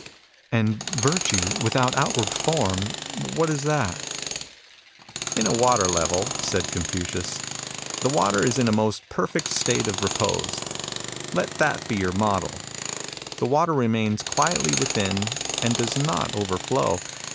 " And virtue without outward form ; what is that ?"" In a water level," said Confucius, " the water is in a most perfect state of repose. Let that be your model. The water remains quietly within, and does not overflow.